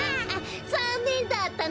ざんねんだったな。